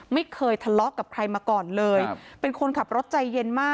ไม่เคยทะเลาะกับใครมาก่อนเลยเป็นคนขับรถใจเย็นมาก